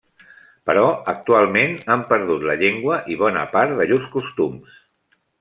Però actualment han perdut la llengua i bona part de llurs costums.